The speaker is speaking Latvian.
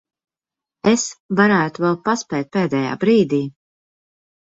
Es varētu vēl paspēt pēdējā brīdī.